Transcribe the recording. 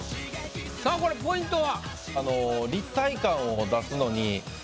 さあこれポイントは？